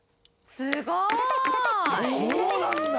すごい。